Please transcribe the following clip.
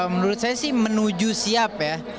menurut saya sih menuju siap ya